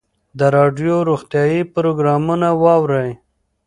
د راډیو روغتیایي پروګرامونه واورئ.